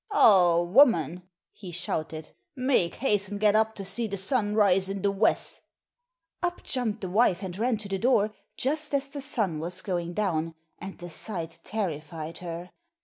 'Aw, woman,' he shouted, 'make haste an' get up to see the sun rise in the wes'.' Up jumped the wife and ran to the door just as the sun was going down, and the sight terrified her.